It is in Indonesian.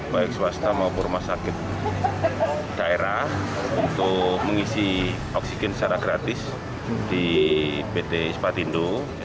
baik swasta maupun rumah sakit daerah untuk mengisi oksigen secara gratis di pt ispatindo